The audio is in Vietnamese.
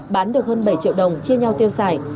bán được hơn bảy triệu đồng chia nhau tiêu xài